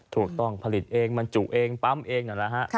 ถูกต้องผลิตเองบรรจุเองปั๊มเองนั่นแหละฮะ